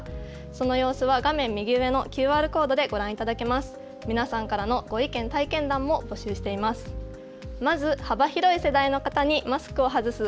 その様子は画面右上のＱＲコードでご覧いただけます。